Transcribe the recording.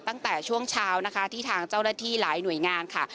ตั้งแต่ช่วงเช้านะคะที่ทางเจ้าหน้าที่หลายหน่วยงานค่ะ